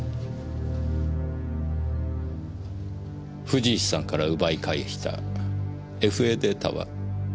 藤石さんから奪い返したＦＡデータは？